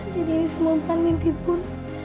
jadi ini semontan mimpi pun